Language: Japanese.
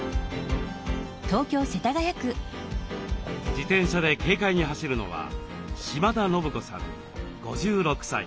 自転車で軽快に走るのは島田信子さん５６歳。